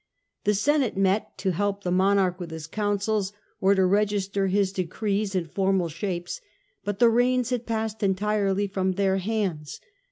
The senate met to help the monarch with their counsels, or to register his decrees in formal shapes ; but the reins had passed entirely from their hands.